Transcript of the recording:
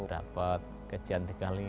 dapat kejian tiga puluh lima